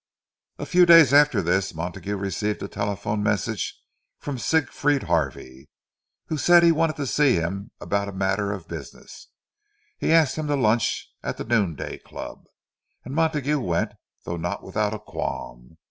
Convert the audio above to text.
A few days after this, Montague received a telephone message from Siegfried Harvey, who said that he wanted to see him about a matter of business. He asked him to lunch at the Noonday Club; and Montague went—though not without a qualm.